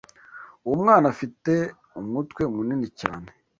Uwo mwana afite umutwe munini cyane.